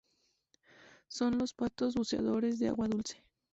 Son los patos buceadores de agua dulce.